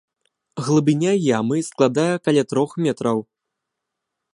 Глыбіня ямы складае каля трох метраў.